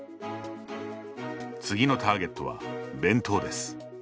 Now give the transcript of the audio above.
次のターゲットは弁当です。